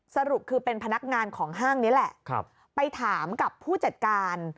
สรุปคือเป็นพนักงานของห้างนี้แหละไปถามกับผู้จัดการ